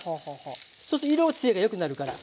そうすると色つやがよくなるから。